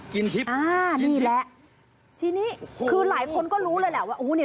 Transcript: กินทิบอ่านี่แหละทีนี้คือหลายคนก็รู้เลยแหละว่า